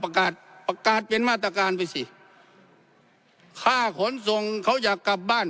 ประกาศประกาศเป็นมาตรการไปสิค่าขนส่งเขาอยากกลับบ้าน